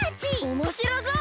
おもしろそう！